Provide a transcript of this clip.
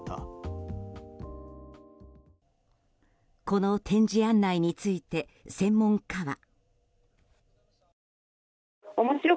この展示案内について専門家は。